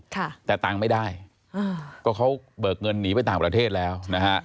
ค่ะแต่ตังค์ไม่ได้อ่าก็เขาเบิกเงินหนีไปต่างประเทศแล้วนะฮะ